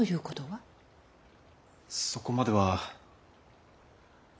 そこまでは。